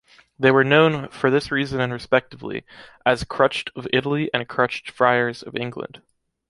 They were known, for this reason and respectively, as Crutched of Italy and Crutched Friars of England.